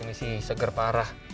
ini sih seger parah